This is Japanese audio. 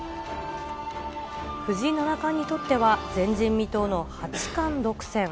藤井七冠にとっては、前人未到の八冠独占。